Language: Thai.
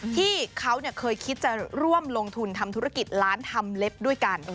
ที่เขาเคยคิดจะร่วมลงทุนทำธุรกิจร้านทำเล็บด้วยกัน